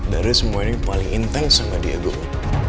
dari semua ini paling intense sama dia gue